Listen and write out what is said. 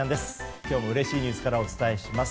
今日もうれしいニュースからお伝えします。